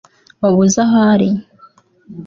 waba uzi aho ari